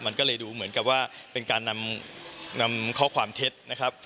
มันก็เลยดูเหมือนกับว่าเป็นการนำข้อความเท็จนะครับ